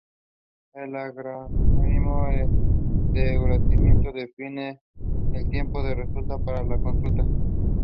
The Anderson massif lies to the north of White Mountain.